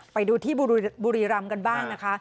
ไปดูที่บุรีรำกันบ้างนะคะ